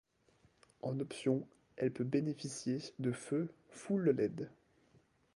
En option elle peut bénéficier de feux full led.